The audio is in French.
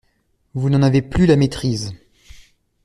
Vous n’en avez plus la maîtrise.